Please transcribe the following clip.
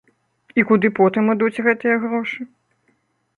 І куды потым ідуць гэтыя грошы?